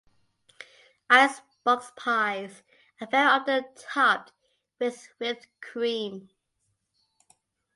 Icebox pies are very often topped with whipped cream.